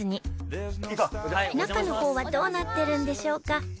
中の方はどうなってるんでしょうか？